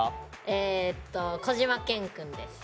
えっと小島健くんです。